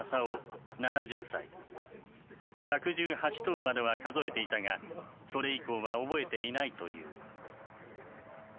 １１８頭までは数えていたがそれ以降は覚えていないという。